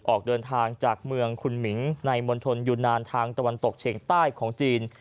ออกเดินทางจากเมืองคุณหมิงในมณฑลอยู่นานทางตะวันตกเฉียงใต้ของจีน